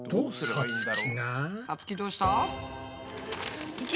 さつきどうした？